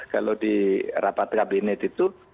kalau di rapat kabinet itu